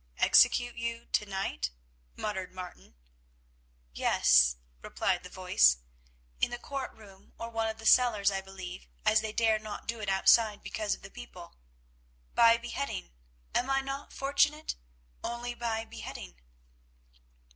"Execute you to night?" muttered Martin. "Yes," replied the voice, "in the court room or one of the cellars, I believe, as they dare not do it outside because of the people. By beheading—am I not fortunate? Only by beheading."